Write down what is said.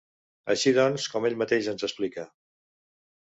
Així doncs, com ell mateix ens explica.